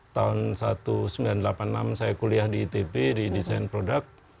tahun seribu sembilan ratus delapan puluh enam saya kuliah di itp di desain produk